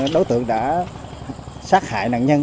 đối tượng đã sát hại nạn nhân